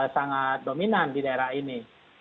sangat dominan di daerah ini